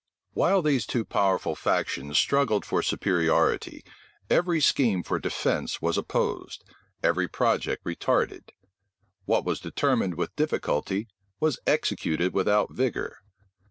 While these two powerful factions struggled for superiority, every scheme for defence was opposed, every project retarded What was determined with difficulty, was executed without vigor.